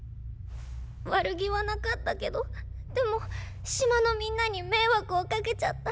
悪気はなかったけどでも島のみんなに迷惑をかけちゃった。